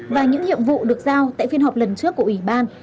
và những nhiệm vụ được giao tại phiên họp lần trước của ủy ban